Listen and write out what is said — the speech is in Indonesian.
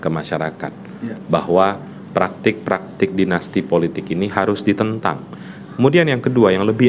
ke masyarakat bahwa praktik praktik dinasti politik ini harus ditentang kemudian yang kedua yang lebih